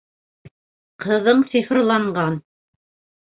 Ҡыҙың сихырланған